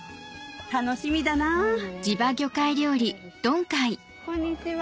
楽しみだなこんにちは。